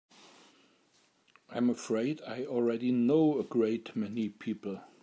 I'm afraid I already know a great many people.